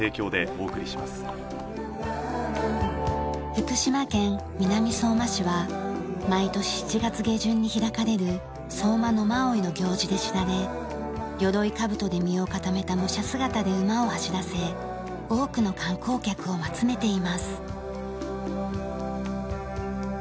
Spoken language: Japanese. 福島県南相馬市は毎年７月下旬に開かれる相馬野馬追の行事で知られ鎧兜で身を固めた武者姿で馬を走らせ多くの観光客を集めています。